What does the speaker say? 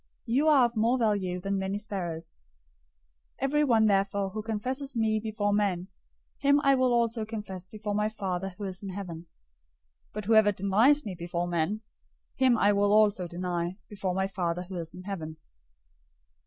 You are of more value than many sparrows. 010:032 Everyone therefore who confesses me before men, him I will also confess before my Father who is in heaven. 010:033 But whoever denies me before men, him I will also deny before my Father who is in heaven.